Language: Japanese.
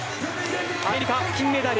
アメリカ、金メダル。